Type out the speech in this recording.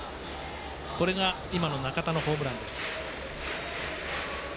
これが中田のホームランです。